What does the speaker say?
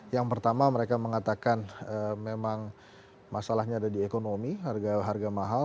yang pertama mereka mengatakan memang masalahnya ada di ekonomi harga mahal